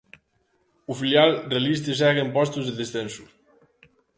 O filial realista segue en postos de descenso.